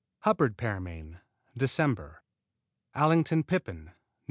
Hubbard's Pearmain Dec. Allington Pippin Nov.